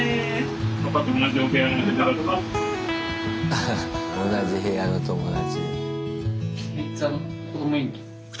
ハハッ同じ部屋の友達。